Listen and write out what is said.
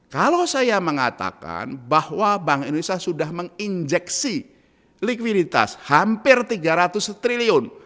kalau saya mengatakan bahwa bank indonesia sudah menginjeksi likuiditas hampir tiga ratus triliun